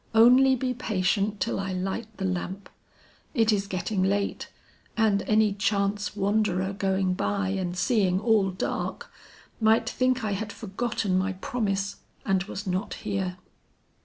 Only be patient till I light the lamp. It is getting late and any chance wanderer going by and seeing all dark, might think I had forgotten my promise and was not here."